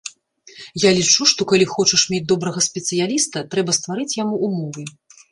Я лічу, што калі хочаш мець добрага спецыяліста, трэба стварыць яму ўмовы.